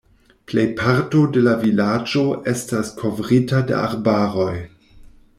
Plejparto de la vilaĝo estas kovrita de arbaroj.